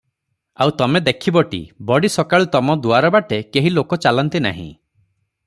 ଆଉ ତମେ ଦେଖିବଟି, ବଡ଼ିସକାଳୁ ତମ ଦୁଆର ବାଟେ କେହି ଲୋକ ଚାଲନ୍ତି ନାହିଁ ।